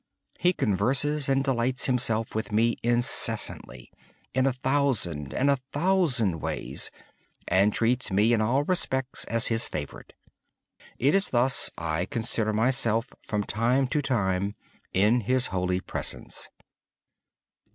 He converses and delights Himself with me incessantly, in a thousand and a thousand ways. And He treats me in all respects as His favorite. In this way I consider myself continually in His holy presence.